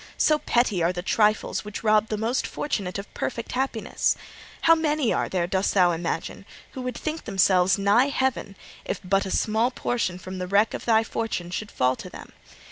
So petty are the trifles which rob the most fortunate of perfect happiness! How many are there, dost thou imagine, who would think themselves nigh heaven, if but a small portion from the wreck of thy fortune should fall to them?